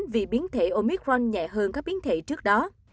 vì biến thể omicron nhẹ hơn các biến thể trước đó